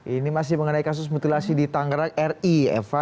ini masih mengenai kasus mutilasi di tangerang ri eva